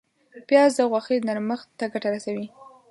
پیاز د غوښې نرمښت ته ګټه رسوي